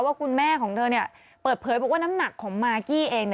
ว่าคุณแม่ของเธอเปิดเผยบอกว่าน้ำหนักของมากกี้เอง